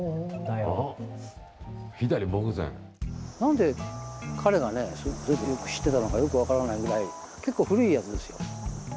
んで、彼がねよく知っていたのかよく分からないぐらい結構、古いやつですよ。